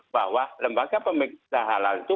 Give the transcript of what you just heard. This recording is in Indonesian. bahwa lembaga pemiksa halal itu